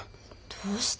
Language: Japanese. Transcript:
どうして？